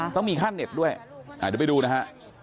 ต้องมีค่าเน็ตด้วยเดี๋ยวไปดูนะฮะ